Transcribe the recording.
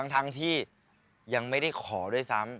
ทั้งที่ยังไม่ได้ขอด้วยซ้ำ